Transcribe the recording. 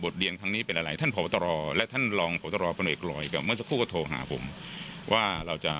ทีนี้ค่ะ